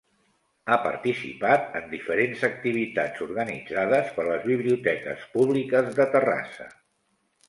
Ha participat en diferents activitats organitzades per les biblioteques públiques de Terrassa.